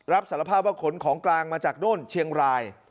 รับสารภาพว่าขนของกลางมาจากโน่นเชียงราย